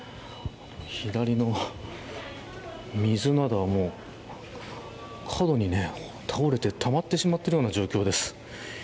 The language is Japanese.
左の水などは角に、倒れてたまってしまっているような状況です。